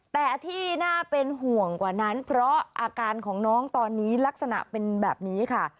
แต่ที่น่าเป็นห่วงกว่านั้นเพราะอาการของน้องตอนนี้ลักษณะเป็นแบบนี้ค่ะ